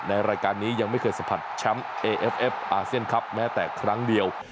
รายการนี้ยังไม่เคยสัมผัสแชมป์เอเอฟเอฟอาเซียนครับแม้แต่ครั้งเดียว